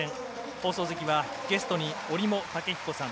放送席はゲストに折茂武彦さん